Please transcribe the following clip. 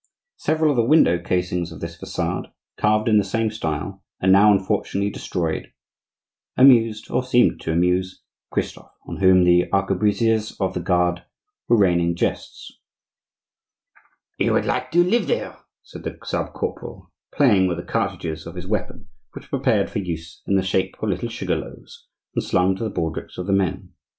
Several of the window casings of this facade, carved in the same style, and now, unfortunately, destroyed, amused, or seemed to amuse Christophe, on whom the arquebusiers of the guard were raining jests. "He would like to live there," said the sub corporal, playing with the cartridges of his weapon, which were prepared for use in the shape of little sugar loaves, and slung to the baldricks of the men.